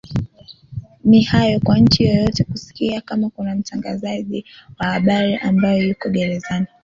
ni hayo kwa nchi yoyote kusikia kama kuna mtangazaji wa habari ambaye yuko gerezani